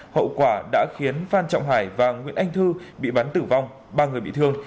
hậu quả đã khiến phan trọng hải và nguyễn anh thư bị bắn tử vong ba người bị thương